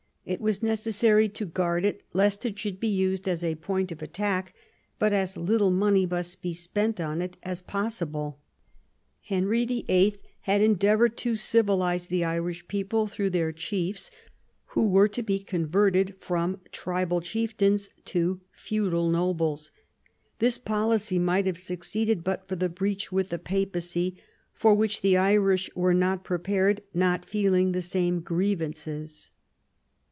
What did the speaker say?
It was necessary to guard it lest it should be used as a point of attack, but as little money must be spent on it as possible. Henry VIII. had endeavoured to civilise the Irish people through their chiefs, who were to be converted from tribal chieftains to feudal nobles. This policy might have succeeded but for the breach with the Papacy, for which the Irish were not prepared, not feeling the same grievances.